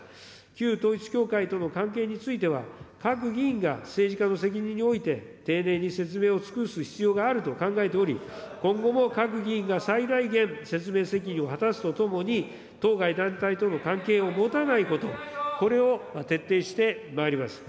旧統一教会との関係については、各議員が政治家の責任において丁寧に説明を尽くす必要があると考えており、今後も各議員が最大限、説明責任を果たすとともに、当該団体との関係を持たないこと、これを徹底してまいります。